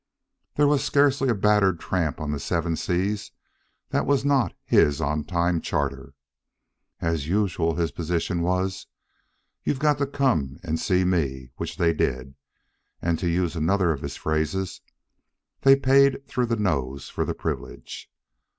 There was scarcely a battered tramp on the Seven Seas that was not his on time charter. As usual, his position was, "You've got to come and see me"; which they did, and, to use another of his phrases, they "paid through the nose" for the privilege.